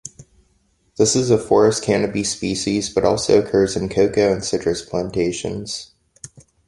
This is a forest canopy species, but also occurs in cocoa and citrus plantations.